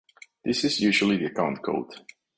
This is usually the account code